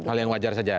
hal yang wajar saja